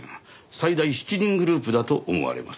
最大７人グループだと思われます。